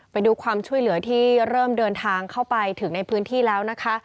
ไปดูความช่วยเหลือที่เริ่มเดินทางเข้าไปถึงในพื้นที่แล้วนะคะ